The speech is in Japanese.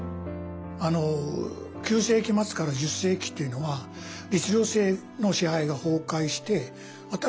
９世紀末から１０世紀っていうのは律令制の支配が崩壊して新しい社会になってきて。